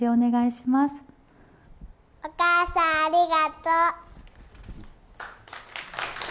お母さん、ありがとう。